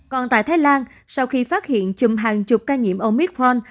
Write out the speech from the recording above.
còn tại thái lan sau khi phát hiện chùm hàng chục ca nhiễm omicron